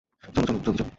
চলো চলো, জলদি চলো।